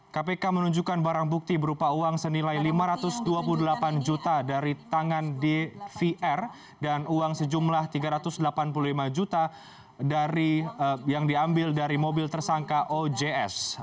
kpk menunjukkan barang bukti berupa uang senilai lima ratus dua puluh delapan juta dari tangan dvr dan uang sejumlah tiga ratus delapan puluh lima juta yang diambil dari mobil tersangka ojs